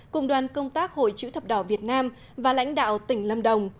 cùng đoàn công tác hội chữ thập đỏ việt nam và lãnh đạo tỉnh lâm đồng